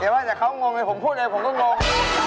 อย่าว่าจะเขางงเลยผมพูดเลยผมต้องงง